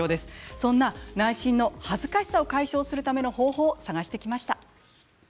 そんな内診の恥ずかしさを解消するための方法を探してきました。